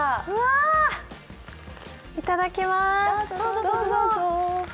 いただきます。